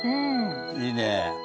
いいねえ。